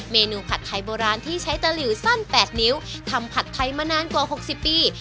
เมนูผัดไทยโบราณที่ใช้ตะหลิวสั้น๘นิ้วทำผัดไทยมานานกว่า๖๐ปี